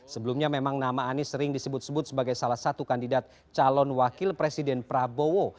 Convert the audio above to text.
sebelumnya memang nama anies sering disebut sebut sebagai salah satu kandidat calon wakil presiden prabowo